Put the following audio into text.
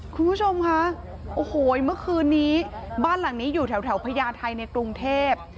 คุณผู้ชมคะโอ้โหเมื่อคืนนี้บ้านหลังนี้อยู่แถวพญาไทยในกรุงเทพ